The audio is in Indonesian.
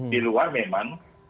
di luar memang